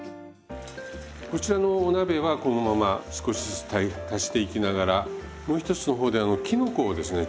こちらのお鍋はこのまま少しずつ足していきながらもう一つの方できのこをですね